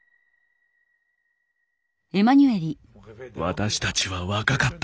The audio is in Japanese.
私たちは若かった。